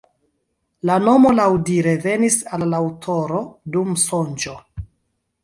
La nomo laŭdire venis al la aŭtoro dum sonĝo.